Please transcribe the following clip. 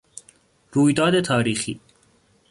رویداد تاریخی